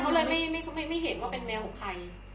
ไม่เคยเลยค่ะเพื่อนบ้านเขาเลยไม่เห็นว่าเป็นแมวของใคร